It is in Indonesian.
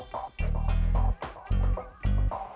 nanti kita jalan jalan dulu